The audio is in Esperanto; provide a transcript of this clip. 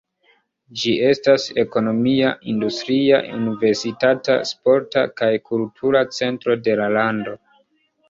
Ĝi estas ekonomia, industria, universitata, sporta kaj kultura centro de la lando.